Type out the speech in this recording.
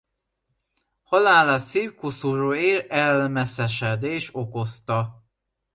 Halálát szívkoszorúér-elmeszesedés okozta.